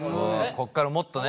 こっからもっとね。